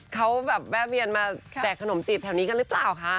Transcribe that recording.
เขาแบบแวะเวียนมาแจกขนมจีบแถวนี้กันหรือเปล่าคะ